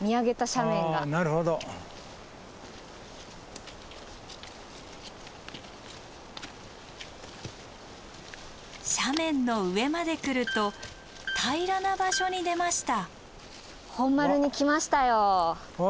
斜面の上まで来ると平らな場所に出ました。